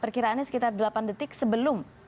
perkiraannya sekitar delapan detik sebelum